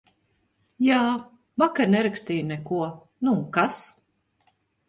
Jā, vakar nerakstīju neko, nu un kas?